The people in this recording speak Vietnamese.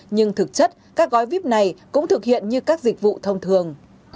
nhưng thực chất các gói vip này cũng thực hiện như các dịch vụ thông thường